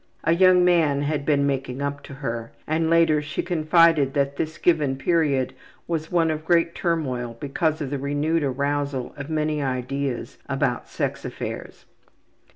A young man had been making up to her, and later she confided that this given period was one of great turmoil because of the renewed arousal of many ideas about sex affairs.